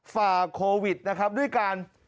ฝ่าโควิดนะครับด้วยการ